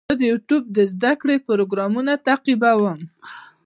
زه د یوټیوب زده کړې پروګرامونه تعقیبوم.